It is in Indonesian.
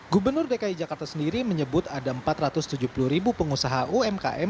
gubernur dki jakarta sendiri menyebut ada empat ratus tujuh puluh ribu pengusaha umkm